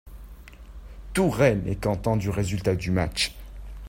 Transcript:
Tout Rennes est content du résultat du match.